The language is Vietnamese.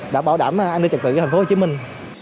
đã bảo đảm an ninh trật tự cho thành phố hồ chí minh